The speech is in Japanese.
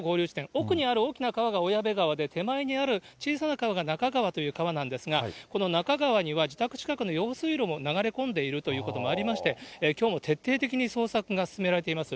奥にある大きな川がおやべ川で、手前にある小さな川がなか川という川なんですが、このなか川には、自宅近くの用水路も流れ込んでいるということもありまして、きょうも徹底的に捜索が進められています。